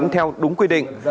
theo đúng quy định